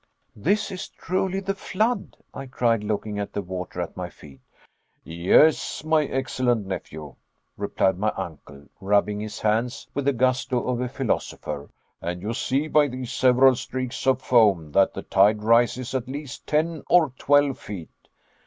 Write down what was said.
"This is truly the flood," I cried, looking at the water at my feet. "Yes, my excellent nephew," replied my uncle, rubbing his hands with the gusto of a philosopher, "and you see by these several streaks of foam that the tide rises at least ten or twelve feet."